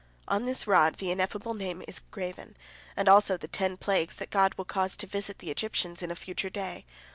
On this rod the Ineffable Name is graven, and also the ten plagues that God will cause to visit the Egyptians in a future day.